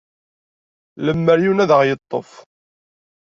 Lemer yiwen ad ɣ-yeṭṭef?